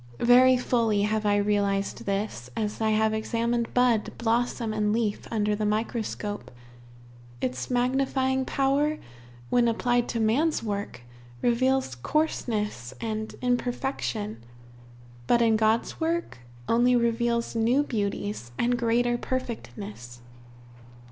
Very fully have I realized this, as I have examined bud, blossom, and leaf under the microscope. Its magnifying power when applied to man's work, reveals coarseness and imperfection, but in God's work only reveals new beauties, and greater perfectness.